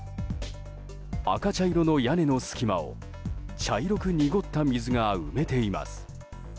赤茶色の屋根の隙間を茶色く濁った水が埋めています。